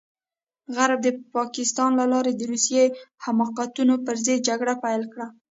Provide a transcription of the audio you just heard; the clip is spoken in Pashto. غرب د پاکستان له لارې د روسي حماقتونو پرضد جګړه پيل کړه.